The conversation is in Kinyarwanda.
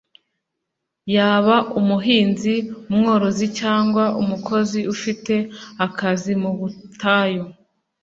yaba umuhinzi, umworozi, cyangwa umukozi ufite akazi mu butayu